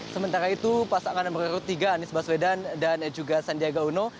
sementara itu pasangan nomor tiga anies baswedan dan juga sandiaga uno